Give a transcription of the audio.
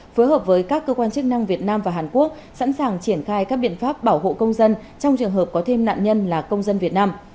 phối hợp với các cơ quan chức năng việt nam và hàn quốc sẵn sàng triển khai các biện pháp bảo hộ công dân trong trường hợp có thêm nạn nhân là công dân việt nam